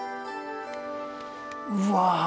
うわ。